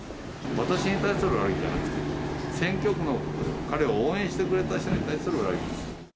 私に対する裏切りじゃなくて、選挙区の彼を応援してくれた人に対する裏切り。